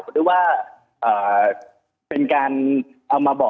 สำนวนอภิวัฒน์การปฏิบัตร